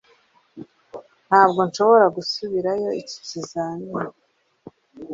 Ntabwo nshobora gusubirayo iki kizami.